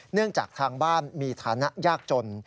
เนื่องจากทางบ้านมีฐานะยากจน